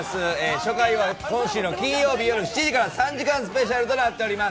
初回は今週の金曜日夜７時から３時間スペシャルとなっております！